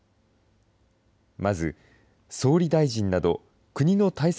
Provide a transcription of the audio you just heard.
まず、総理大臣など国の対策